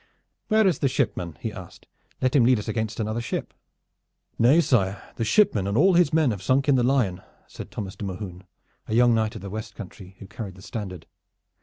"Where is the shipman?" he asked. "Let him lead us against another ship." "Nay, sire, the shipman and all his men have sunk in the Lion," said Thomas de Mohun, a young knight of the West Country, who carried the standard.